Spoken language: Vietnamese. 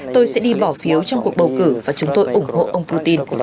tôi sẽ đi bỏ phiếu trong cuộc bầu cử và chúng tôi ủng hộ ông putin